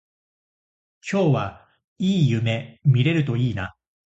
今日はいい夢見れるといいな